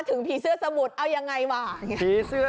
หรือที่เคย